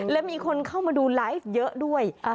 และมีคนเข้ามาดูไลฟ์เยอะด้วย